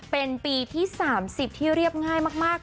เป็นปีที่๓๐ช่วงปกติที่เรียบง่ายมาก